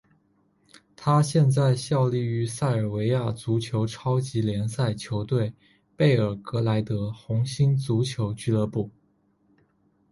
他现在效力于塞尔维亚足球超级联赛球队贝尔格莱德红星足球俱乐部。